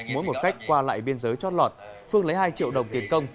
mỗi một khách qua lại biên giới trót lọt phương lấy hai triệu đồng tiền công